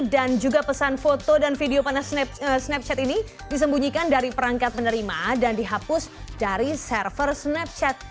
dan juga pesan foto dan video pada snapchat ini disembunyikan dari perangkat menerima dan dihapus dari server snapchat